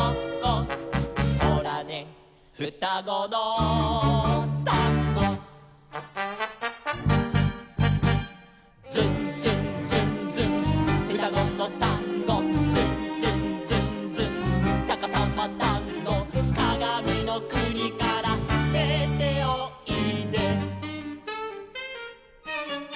「ホラねふたごのタンゴ」「ズンズンズンズンふたごのタンゴ」「ズンズンズンズンさかさまタンゴ」「かがみのくにからでておいで☆」